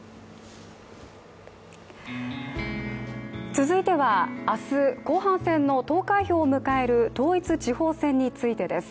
続いては明日、後半戦の投開票を迎える統一地方選についてです。